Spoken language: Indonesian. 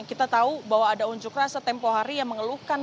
kita tahu bahwa ada unjuk rasa tempoh hari yang mengeluhkan